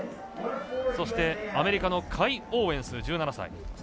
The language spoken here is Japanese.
そして、アメリカのカイ・オーウェンス、１７歳。